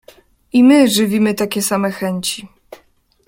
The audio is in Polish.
"I my żywimy takie same chęci."